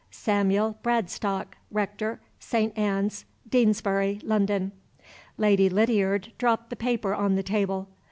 Samuel Bradstock, Rector, St. Anne's, Deansbury, London." Lady Lydiard dropped the paper on the table.